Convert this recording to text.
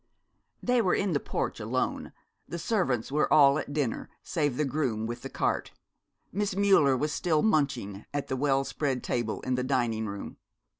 They were in the porch alone. The servants were all at dinner, save the groom with the cart. Miss Müller was still munching at the well spread table in the dining room.